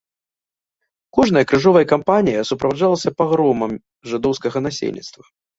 Кожная крыжовая кампанія суправаджалася пагромам жыдоўскага насельніцтва.